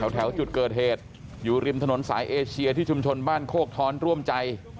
แถวจุดเกิดเหตุอยู่ริมถนนสายเอเชียที่ชุมชนบ้านโคกท้อนร่วมใจ